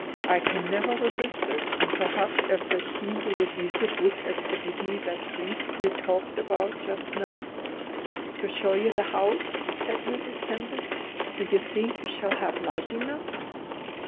"I can never resist it. And perhaps after tea you will be so good as to give me the treat you talked about just now." "To show you the house?" said Mrs. Tempest. "Do you think we shall have light enough?"